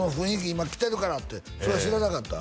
今来てるからってそれ知らなかった？